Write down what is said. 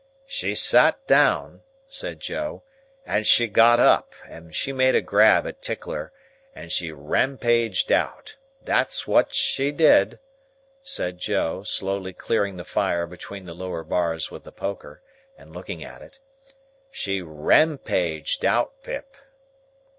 "She sot down," said Joe, "and she got up, and she made a grab at Tickler, and she Ram paged out. That's what she did," said Joe, slowly clearing the fire between the lower bars with the poker, and looking at it; "she Ram paged out, Pip."